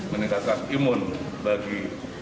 meningkatkan imun bagi